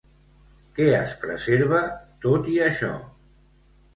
Què es preserva, tot i això?